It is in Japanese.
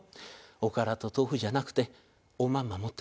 おからと豆腐じゃなくておまんま持ってっておやり。